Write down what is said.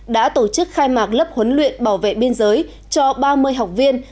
đã tổ chức khai mạc lớp huấn luyện bảo vệ biên giới cho ba mươi học viên